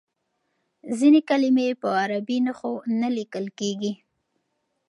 ځینې کلمې په عربي نښو نه لیکل کیږي.